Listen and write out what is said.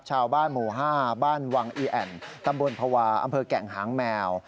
ชาวบ้านหมู่๕บ้านวังอีแอ่นตำบลภาวะอำเภอแก่งหางแมว